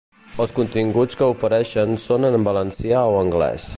Els continguts que ofereixen són en valencià o anglés.